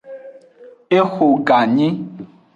Exo ganyi.